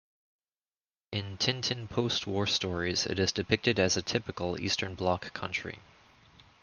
In Tintin post-war stories it is depicted as a typical Eastern Bloc country.